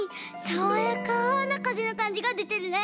さわやかなかぜのかんじがでてるね。